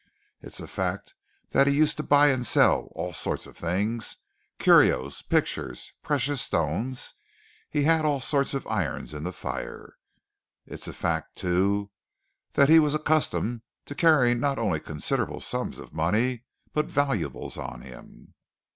It's a fact that he used to buy and sell all sorts of things curios, pictures, precious stones he'd all sorts of irons in the fire. It's a fact, too, that he was accustomed to carrying not only considerable sums of money, but valuables on him."